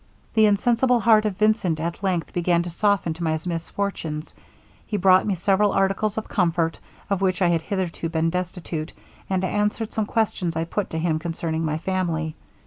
'The insensible heart of Vincent at length began to soften to my misfortunes. He brought me several articles of comfort, of which I had hitherto been destitute, and answered some questions I put to him concerning my family.